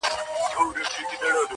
له میاشتونو له کلونو!.